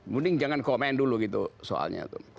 mending jangan komen dulu gitu soalnya